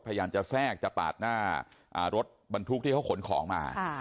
พยายามจะแทรกจะปาดหน้ารถบรรทุกที่เขาขนของมา